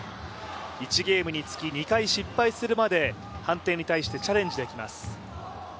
１ゲームにつき２回失敗するまで、判定に対してチャレンジできます。